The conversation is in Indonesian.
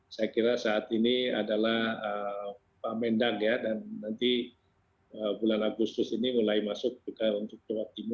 saya kira saat ini adalah pahamendang ya dan nanti bulan agustus ini mulai masuk juga untuk kewaktimu